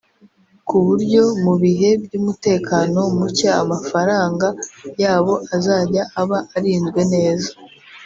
ku buryo mu bihe by’umutekano muke amafaranga yabo azajya aba arinzwe neza”